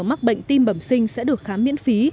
mắc bệnh tim bẩm sinh sẽ được khám miễn phí